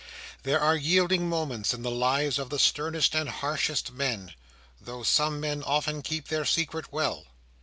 There are yielding moments in the lives of the sternest and harshest men, though such men often keep their secret well.